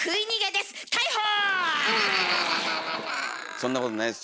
そんなことないです。